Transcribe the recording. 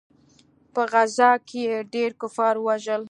په غزا کښې يې ډېر کفار ووژل.